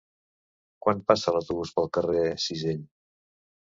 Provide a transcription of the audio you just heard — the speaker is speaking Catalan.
Quan passa l'autobús pel carrer Cisell?